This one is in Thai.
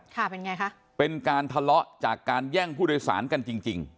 ค่ะเป็นไงคะเป็นการทะเลาะจากการแย่งผู้โดยสารกันจริงจริง